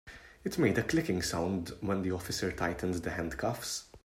It made a clicking sound when the officer tightened the handcuffs.